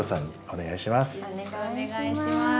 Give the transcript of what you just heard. お願いします。